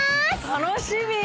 楽しみ！